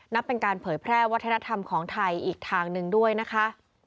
นับเป็นการเผยแพร่วัฒนธรรมของไทยอีกทางหนึ่งด้วยนะคะ